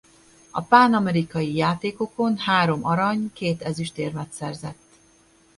A pánamerikai játékokon három arany- két ezüstérmet szerzett.